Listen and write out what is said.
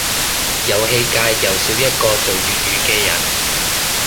遊戲界又少一個做粵語嘅人